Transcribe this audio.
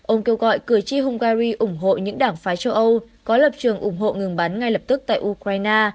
ông kêu gọi cử tri hungary ủng hộ những đảng phái châu âu có lập trường ủng hộ ngừng bắn ngay lập tức tại ukraine